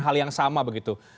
hal yang sama begitu